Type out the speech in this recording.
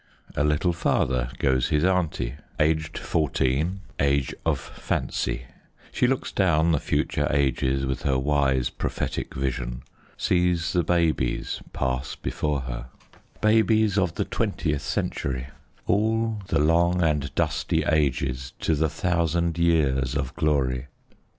A little farther goes his auntie, Aged fourteen age of fancy; She looks down the future ages With her wise, prophetic vision; Sees the babies pass before her, Babies of the twentieth century, All the long and dusty ages, To the thousand years of glory.